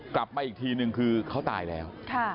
กลับมาอีกทีนึงคือเขาตายแล้ว